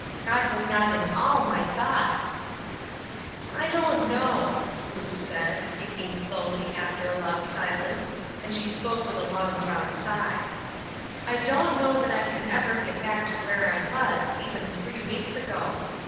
God was not in all my thoughts." " I don't know," Ruth said, speaking slowly after a long silence, and she spoke with a long drawn sigh. " I don't know that I can ever get back to where I was, even three weeks ago.